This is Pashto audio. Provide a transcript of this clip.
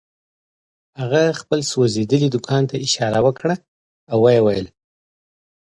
هغه خپل سوځېدلي دوکان ته اشاره وکړه او ويې ويل.